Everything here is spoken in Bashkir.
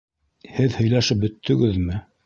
Һеҙ һөйләшеп бөттөгөҙмө?